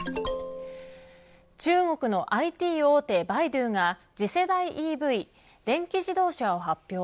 中国のＩＴ大手百度が次世代ＥＶ、電気自動車を発表。